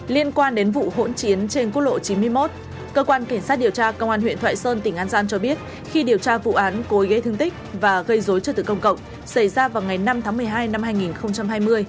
liên quan đến vụ hỗn chiến trên quốc lộ chín mươi một cơ quan cảnh sát điều tra công an huyện thoại sơn tỉnh an giang cho biết khi điều tra vụ án cối gây thương tích và gây dối trật tự công cộng xảy ra vào ngày năm tháng một mươi hai năm hai nghìn hai mươi